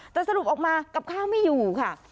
แต่สรุปออกมากับข้าวไม่อยู่ค่ะ